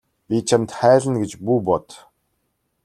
Би чамд хайлна гэж бүү бод.